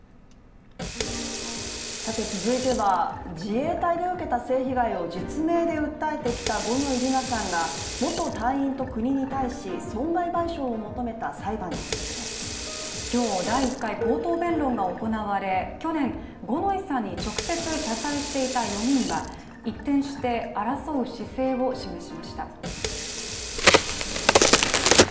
続いては、自衛隊で受けた性被害を実名で訴えてきた五ノ井里奈さんが元隊員と国に対し損害賠償を求めた裁判についてです。今日、第１回口頭弁論が行われ去年、五ノ井さんに直接謝罪していた４人は一転して争う姿勢を示しました。